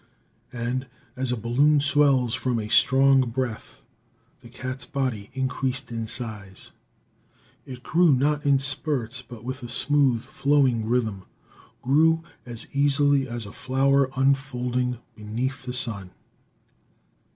And, as a balloon swells from a strong breath, the cat's body increased in size. It grew not in spurts, but with a smooth, flowing rhythm: grew as easily as a flower unfolding beneath the sun.